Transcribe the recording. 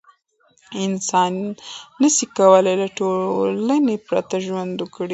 انسان نسي کولای له ټولنې پرته ژوند وکړي.